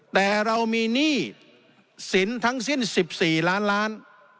แต่เรามีหนี้สินทั้งสิ้น๑๔ล้านล้าน